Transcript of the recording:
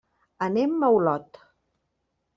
Anem a Olot.